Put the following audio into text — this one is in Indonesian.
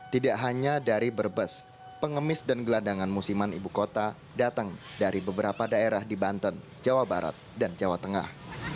tidak hanya dari brebes pengemis dan gelandangan musiman ibu kota datang dari beberapa daerah di banten jawa barat dan jawa tengah